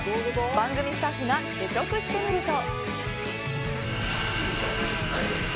番組スタッフが試食してみると。